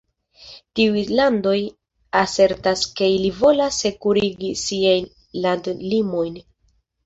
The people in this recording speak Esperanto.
Tiuj landoj asertas ke ili volas sekurigi siajn landlimojn.